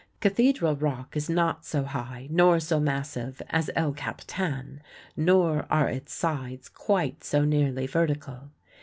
Cathedral Rock is not so high nor so massive as El Capitan, nor are its sides quite so nearly vertical.